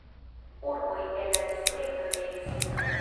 Urboj en la distrikto ne ekzistas.